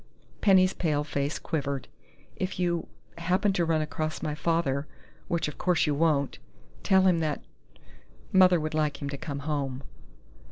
Penny's pale face quivered. "If you happen to run across my father, which of course you won't, tell him that Mother would like him to come home."